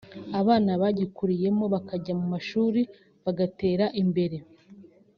abana bagikuriyemo bakajya mu mashuri bagatera imbere[…